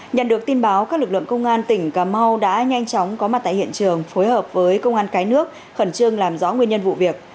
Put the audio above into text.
nhận được tin báo các lực lượng công an tỉnh cà mau đã nhanh chóng có mặt tại hiện trường phối hợp với công an cái nước khẩn trương làm rõ nguyên nhân vụ việc